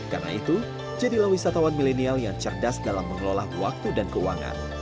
karena itu jadilah wisatawan milenial yang cerdas dalam mengelola waktu dan keuangan